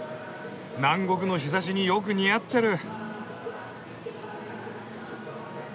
南国の日ざしによく似合ってる！